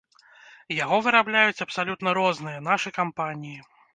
Яго вырабляюць абсалютна розныя нашы кампаніі.